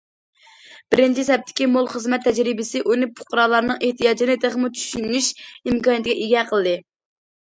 بىرىنچى سەپتىكى مول خىزمەت تەجرىبىسى ئۇنى پۇقرالارنىڭ ئېھتىياجىنى تېخىمۇ چۈشىنىش ئىمكانىيىتىگە ئىگە قىلدى.